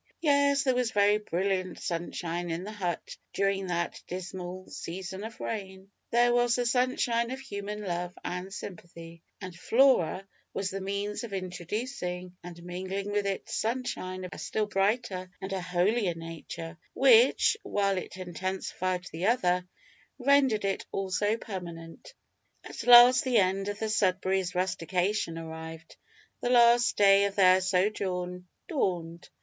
Yes, there was very brilliant sunshine in the hut during that dismal season of rain there was the sunshine of human love and sympathy, and Flora was the means of introducing and mingling with it sunshine of a still brighter and a holier nature, which, while it intensified the other, rendered it also permanent. At last the end of the Sudberrys' rustication arrived; the last day of their sojourn dawned.